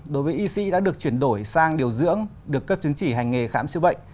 đối với y sĩ đã được chuyển đổi sang điều dưỡng được cấp chứng chỉ hành nghề khám chữa bệnh